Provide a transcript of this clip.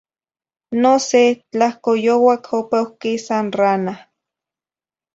No sé, tlahcoyouac opeh quisa n rana